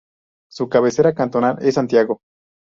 Su cabecera cantonal es Santiago.